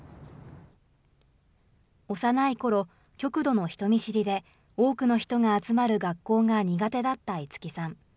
幼いころ、極度の人見知りで、多くの人が集まる学校が苦手だった樹さん。